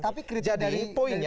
tapi dari poinnya